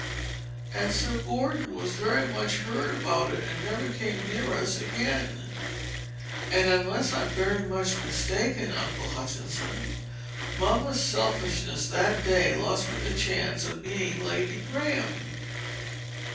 And Sir Gordon was very much hurt about it, and never came near us again. And unless I'm very much mistaken, Uncle Hutchinson, mamma's selfishness that day lost me the chance of being Lady Graham.